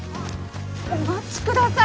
お待ちください！